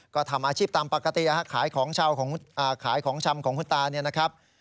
ก็ทำอาชีพตามปกติขายของชำของคุณตานะครับ